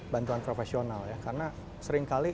bantuan profesional karena seringkali